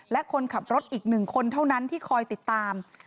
และคนขับรถอีก๑คนเท่านั้นที่คอยติดตาม